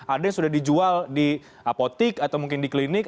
ada yang sudah dijual di apotik atau mungkin di klinik